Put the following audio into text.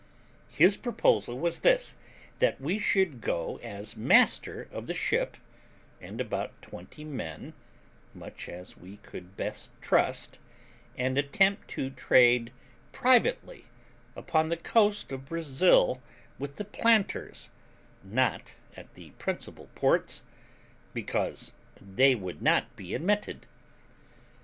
His proposal was this, that he should go as master of the ship, and about twenty men, such as we could best trust, and attempt to trade privately, upon the coast of Brazil, with the planters, not at the principal ports, because that would not be admitted.